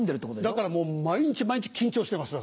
だから毎日毎日緊張してます。